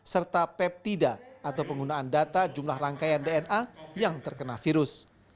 serta peptida atau penggunaan data jumlah rangkaian dna yang terkena virus